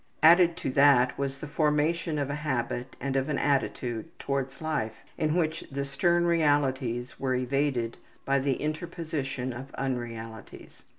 Added to that was the formation of a habit and of an attitude towards life in which the stern realities were evaded by the interposition of unrealities.